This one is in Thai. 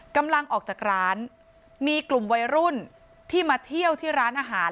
กำลังออกจากร้านมีกลุ่มวัยรุ่นที่มาเที่ยวที่ร้านอาหาร